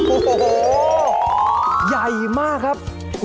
โอ้โหใหญ่มากครับ